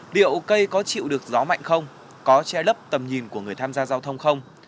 liệu cây có chịu được gió mạnh không có che lấp tầm nhìn của người tham gia giao thông không